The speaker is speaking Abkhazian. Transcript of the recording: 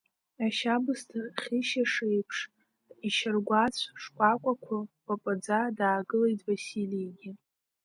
Ашьабысҭа хьышьаш еиԥш, ишьаргәацә шкәакәақәа па-паӡа даагылеит Василигьы.